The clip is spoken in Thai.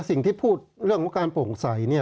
สิ่งที่พูดเรื่องการโปร่งใส